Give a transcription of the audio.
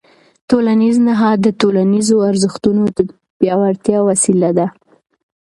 ټولنیز نهاد د ټولنیزو ارزښتونو د پیاوړتیا وسیله ده.